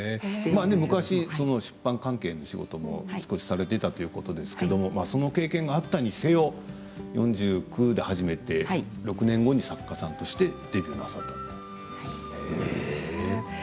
昔、出版関係の仕事も少しされてたということですけどもその経験があったにせよ４９で始めて、６年後に作家さんとしてデビューなさった。